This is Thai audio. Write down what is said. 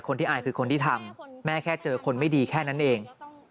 อายคือคนที่ทำแม่แค่เจอคนไม่ดีแค่นั้นเอง